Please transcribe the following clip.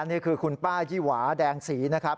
นี่คือคุณป้ายี่หวาแดงศรีนะครับ